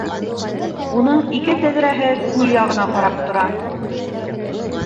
Уның ике тәҙрәһе күл яғына ҡарап тора.